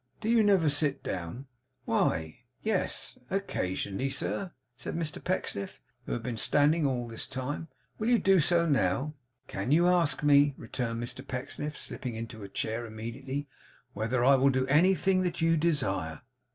'Do you never sit down?' 'Why yes occasionally, sir,' said Mr Pecksniff, who had been standing all this time. 'Will you do so now?' 'Can you ask me,' returned Mr Pecksniff, slipping into a chair immediately, 'whether I will do anything that you desire?